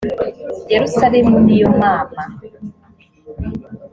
yerusalemu ni yo mama